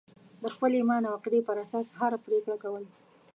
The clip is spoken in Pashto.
د خپل ایمان او عقیدې پر اساس هره پرېکړه کول.